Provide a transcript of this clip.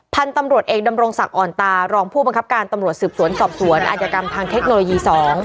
พันธุ์ตำรวจเอกดำรงศักดิอ่อนตารองผู้บังคับการตำรวจสืบสวนสอบสวนอาจกรรมทางเทคโนโลยี๒